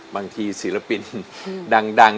บางทีศิลปินดัง